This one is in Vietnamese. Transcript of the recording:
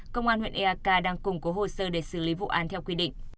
công an huyện eak đang cùng có hồ sơ để xử lý vụ án theo quy định